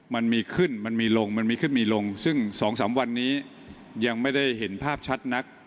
มันมีขึ้นมันมีลงมันมีขึ้นมีลงซึ่ง๒๓วันนี้ยังไม่ได้เห็นภาพชัดนัก